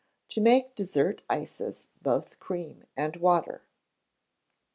To Make Dessert Ices, both Cream and Water.